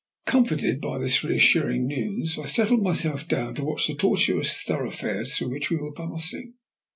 Comforted by this reassuring news, I settled myself down to watch the tortuous thoroughfares through which we were passing.